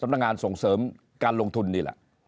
สำนักงานส่งเสริมการลงทุนดีละ